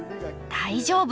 大丈夫！